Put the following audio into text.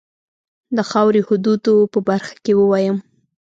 د خاوري حدودو په برخه کې ووایم.